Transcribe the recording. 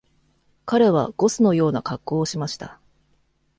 彼はゴスのような格好をしました。